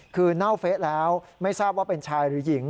คือเน่าเฟะแล้วไม่ทราบว่าเป็นชายหรือหญิง